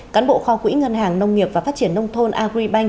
cán bộ kho quỹ ngân hàng nông nghiệp và phát triển nông thôn agribank